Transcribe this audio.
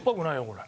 これ。